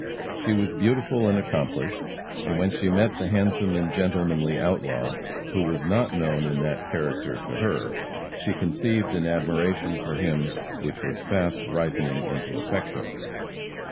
She was beautiful and accomplished, and when she met the handsome and gentlemanly outlaw, who was not known in that character to her, she conceived an admiration for him which was fast ripening into affection.